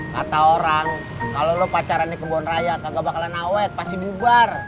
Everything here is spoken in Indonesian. kata orang kalo lo pacaran ke boneraya kagak bakalan awet pasti bubar